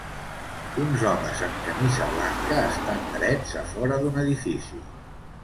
Uns homes amb camisa blanca estan drets a fora d'un edifici.